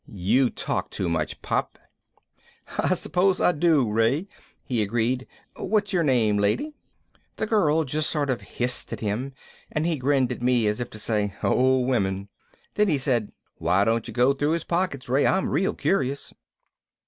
"You talk too much, Pop." "I suppose I do, Ray," he agreed. "What's your name, lady?" The girl just sort of hissed at him and he grinned at me as if to say, "Oh, women!" Then he said, "Why don't you go through his pockets, Ray? I'm real curious."